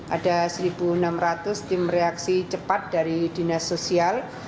ada satu enam ratus tim reaksi cepat dari dinas sosial